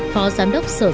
phó giám đốc sở giáo